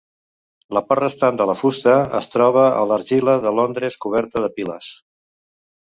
La part restant de la fusta es troba a l'Argila de Londres coberta de piles.